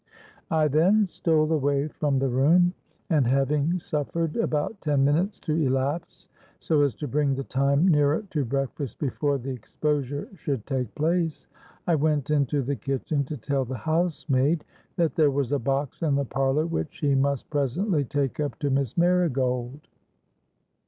I then stole away from the room; and, having suffered about ten minutes to elapse, so as to bring the time nearer to breakfast before the exposure should take place, I went into the kitchen to tell the housemaid that there was a box in the parlour which she must presently take up to Miss Marigold.